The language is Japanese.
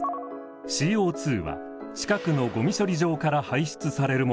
ＣＯは近くのゴミ処理場から排出されるものを調達。